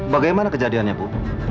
bagaimana kejadiannya bu